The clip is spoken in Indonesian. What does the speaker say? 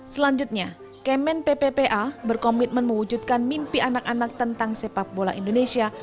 selanjutnya kemen pppa berkomitmen mewujudkan mimpi anak anak tentang sepak bola indonesia